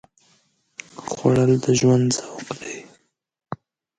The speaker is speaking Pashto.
خوړل د ژوند ذوق دی